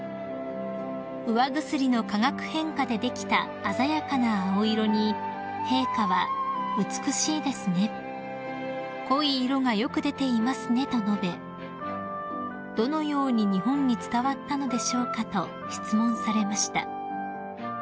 ［うわぐすりの化学変化でできた鮮やかな青色に陛下は「美しいですね」「濃い色がよく出ていますね」と述べ「どのように日本に伝わったのでしょうか？」と質問されました］